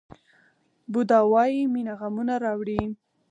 بودا وایي مینه غمونه راوړي.